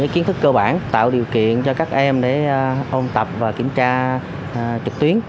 kiến thức cơ bản tạo điều kiện cho các em để ôn tập và kiểm tra trực tuyến